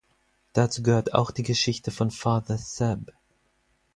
Dazu gehört auch die Geschichte von Father Seb.